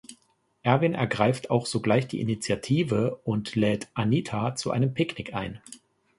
Erwin ergreift auch sogleich die Initiative und lädt Anita zu einem Picknick ein.